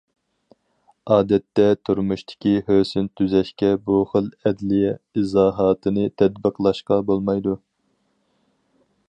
ئادەتتە تۇرمۇشتىكى ھۆسن تۈزەشكە بۇ خىل ئەدلىيە ئىزاھاتىنى تەتبىقلاشقا بولمايدۇ.